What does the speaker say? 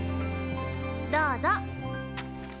どうぞ。